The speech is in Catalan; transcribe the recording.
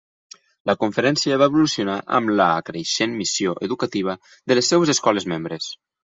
La conferència va evolucionar amb la creixent missió educativa de les seves escoles membres.